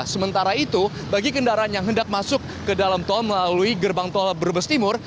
sementara itu bagi kendaraan yang hendak masuk ke dalam tol melalui gerbang tol brebes timur